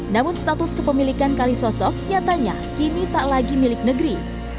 namun status kepemilikan kali sosok nyatanya kini tak lagi milik negeri